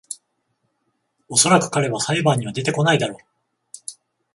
おそらく彼は裁判には出てこないだろ